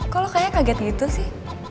kok lo kayaknya kaget gitu sih